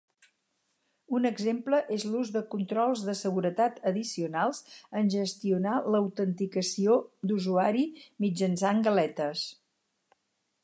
Un exemple és l'ús de controls de seguretat addicionals en gestionar l'autenticació d'usuari mitjançant galetes.